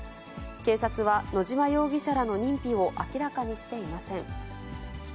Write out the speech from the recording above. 警察は、野島容疑者らの認否を明らかにしていません。